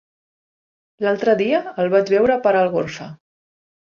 L'altre dia el vaig veure per Algorfa.